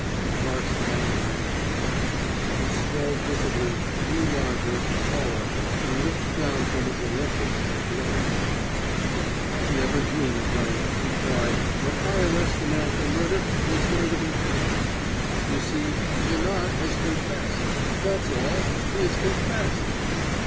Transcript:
Clarke's hands went akimbo. He swelled visibly, grew larger, taller, and looked down from his Olympus at the others. "But I never dream at night," he cried. "When I arrest a man for murder he is going to be hanged. You see, Janoc has confessed that's all: he has confessed!"